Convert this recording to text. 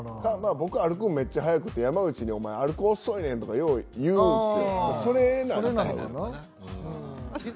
僕ね、歩くのめっちゃ速くって、山内に歩くの遅いねんって言うんですよ。